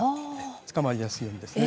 つかまりやすいようにですね。